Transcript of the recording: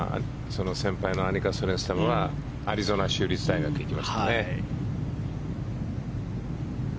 その先輩のアニカ・ソレンスタムはアリゾナ州立大学行きましたね。